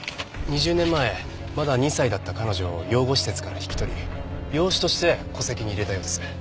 ２０年前まだ２歳だった彼女を養護施設から引き取り養子として戸籍に入れたようです。